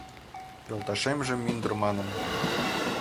Йолташемже мӱндыр манын